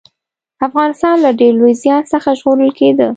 افغانستان له ډېر لوی زيان څخه ژغورل کېده